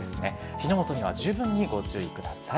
火の元には十分にご注意ください。